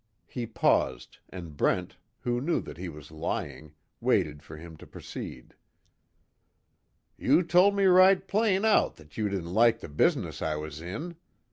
He paused and Brent, who knew that he was lying, waited for him to proceed. "You told me right plain out that you didn't like the business I was in!